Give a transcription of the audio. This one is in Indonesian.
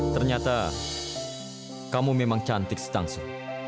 ternyata kamu memang cantik si tang su